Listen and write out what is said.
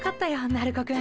鳴子くん。